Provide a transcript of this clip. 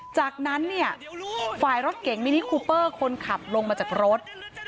จากนั้นเนี่ยฝ่ายรถเก่งมินิคูเปอร์คนขับลงมาจากรถ